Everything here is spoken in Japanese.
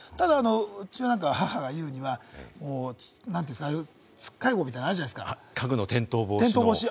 ただうちは母が言うには、つっかえ棒みたいなのあるじゃないですか、転倒防止。